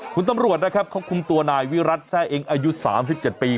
คุณตำรวจนะครับเขาคุมตัวนายวิรัติแซ่เองอายุ๓๗ปี